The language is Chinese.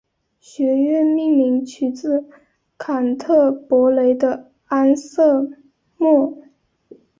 学院命名取自坎特伯雷的安瑟莫。